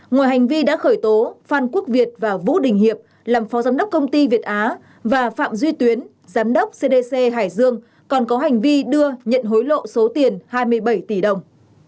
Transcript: ngoài hành vi đã khởi tố phan quốc việt và vũ đình hiệp làm phó giám đốc công ty việt á và phạm duy tuyến giám đốc cdc hải dương còn có hành vi đưa nhận hối lộ số tiền hai mươi bảy tỷ đồng